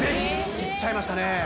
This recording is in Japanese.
言っちゃいましたね